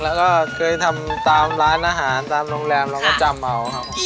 แล้วก็เคยทำตามร้านอาหารตามโรงแรมเราก็จำเอาครับผม